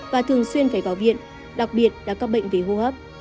và thường xuyên phải vào viện đặc biệt đã có bệnh về hô hấp